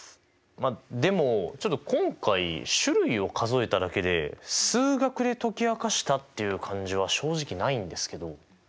でも今回種類を数えただけで数学で解き明かしたっていう感じは正直ないんですけど。